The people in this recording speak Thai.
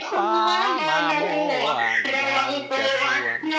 ตัวน้ำยาว